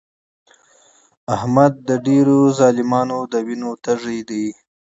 احمد د ډېرو ظالمانو د وینو تږی دی.